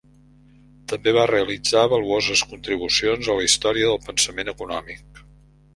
També va realitzar valuoses contribucions a la història del pensament econòmic.